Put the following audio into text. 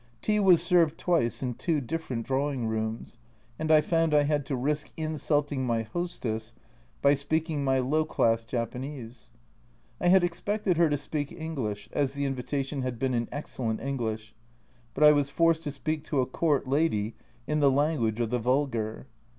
Tea was served twice in two different drawing rooms, and 74 Journal from Japan I found I had to risk insulting my hostess by speak ing my low class Japanese. I had expected her to speak English, as the invitation had been in excellent English, but I was forced to speak to a Court lady in the language of the vulgar.